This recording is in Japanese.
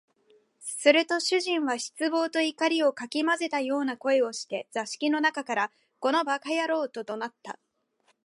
すると主人は失望と怒りを掻き交ぜたような声をして、座敷の中から「この馬鹿野郎」と怒鳴った